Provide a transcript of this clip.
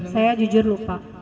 saya jujur lupa